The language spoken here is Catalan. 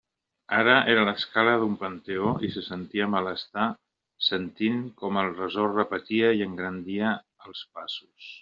Ara era l'escala d'un panteó i se sentia malestar sentint com el ressò repetia i engrandia els passos.